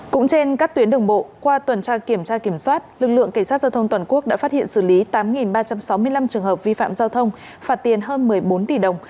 cũng trên các tuyến đường bộ qua tuần tra kiểm tra kiểm soát lực lượng cảnh sát giao thông toàn quốc đã phát hiện xử lý tám ba trăm sáu mươi năm trường hợp vi phạm giao thông phạt tiền hơn một mươi bốn tỷ đồng